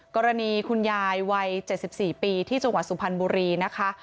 คุณยายวัย๗๔ปีที่จังหวัดสุพรรณบุรีนะคะ